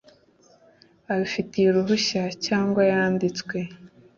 abifitiye uruhushya cyangwa yanditswe